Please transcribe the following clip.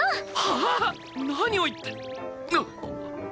はあ！？何を言って。